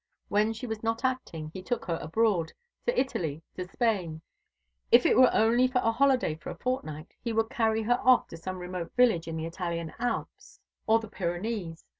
When she was not acting he took her abroad, to Italy to Spain. If it were only for a holiday for a fortnight, he would carry her off to some remote village in the Italian Alps or the Pyrenees.